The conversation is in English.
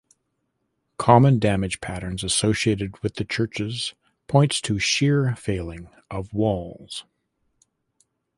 Common damage patterns associated with the churches points to shear failing of walls.